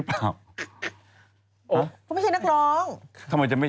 จากกระแสของละครกรุเปสันนิวาสนะฮะ